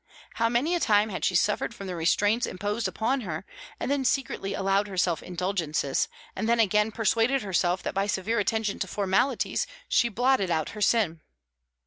How many a time had she suffered from the restraints imposed upon her, and then secretly allowed herself indulgences, and then again persuaded herself that by severe attention to formalities she blotted out her sin!